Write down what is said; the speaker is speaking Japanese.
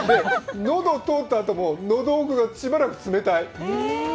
喉通ったあとも、喉奥がしばらく冷たい。